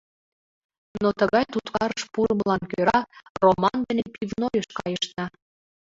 Но тыгай туткарыш пурымылан кӧра Роман дене пивнойыш кайышна.